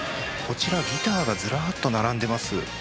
こちら、ギターがずらっと並んでます。